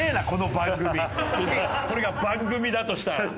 これが番組だとしたら。